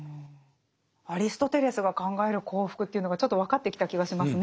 アリストテレスが考える幸福というのがちょっと分かってきた気がしますね。